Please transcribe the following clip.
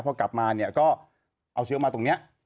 พอกลับมาเนี่ยก็เอาเชื้อมาตรงนี้